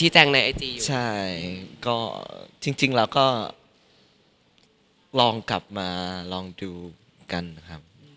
ใช่ก็จริงแล้วก็ลองกลับมาลองดูกันครับ